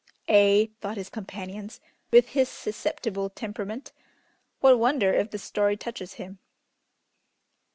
"Ay," thought his companions, "with his susceptible temperament, what wonder if this story touches him."